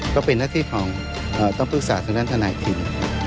ก็เป็นหน้าที่ของต้องปรึกษาทางด้านทนายคิม